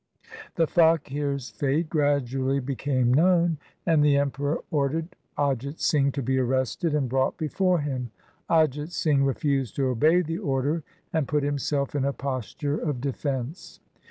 The faqir's fate gradually became known, and the Emperor ordered Ajit Singh to be arrested and brought before him. Ajit Singh refused to obey the order, and put himself in a posture of defence.